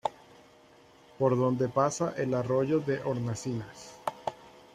Por donde pasa el arroyo de Hornacinas.